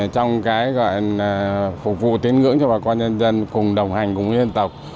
trong cái gọi là phục vụ tiến ngưỡng cho bà con nhân dân cùng đồng hành cùng nhân dân tộc